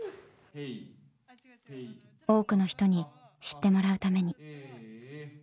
多くの人に知ってもらうために。